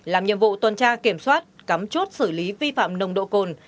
làm nhiệm vụ tuần tra kiểm soát cắm chốt xử lý vi phạm nồng độ cồn